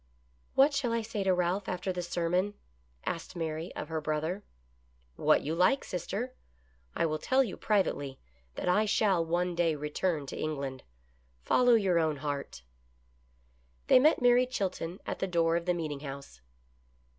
"What shall I say to Ralph after the sermon asked Mary of her brother. " What you like, sister. I will tell you privately that I shall one day return to England. Follow your own heart" They met Mary Chilton at the door of the meeting house.